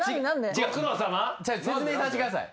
説明させてください。